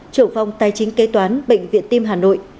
trưởng phòng tài chính kế toán bệnh viện tim hà nội